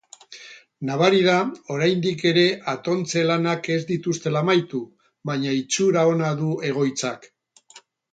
Nabari da oraindik ere atontze-lanak ez dituztela amaitu, baina itxura ona du egoitzak.